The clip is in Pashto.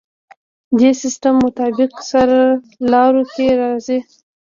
دې سیستم مطابق سرلارو کې راځي.